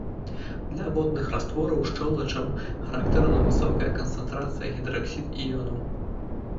Для водных раствораў шчолачаў характэрная высокая канцэнтрацыя гідраксід-іёнаў.